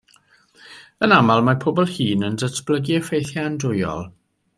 Yn aml, mae pobl hŷn yn datblygu effeithiau andwyol.